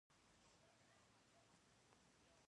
د وطن دفاع د هر افغان دنده ده.